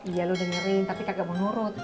iya lo dengerin tapi kagak menurut